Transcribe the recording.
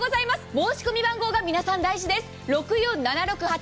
申込番号が皆さん大事です。